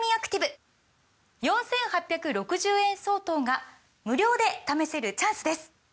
４，８６０円相当が無料で試せるチャンスです！